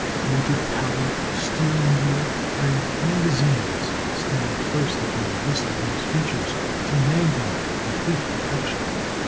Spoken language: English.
Motive power, steering gear, and magazines stand first upon the list of those features demanding complete protection....